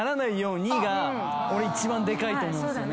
俺一番でかいと思うんすよね。